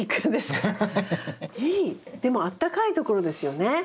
でもあったかいところですよね？